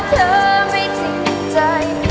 เธอไม่ทิ้งใจ